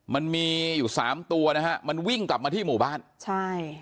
มันมีอยู่สามตัวนะฮะมันวิ่งกลับมาที่หมู่บ้านใช่